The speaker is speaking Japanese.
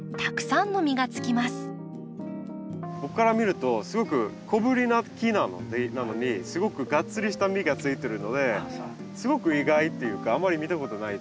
ここから見るとすごく小ぶりな木なのにすごくがっつりした実がついてるのですごく意外っていうかあんまり見たことないっていうか。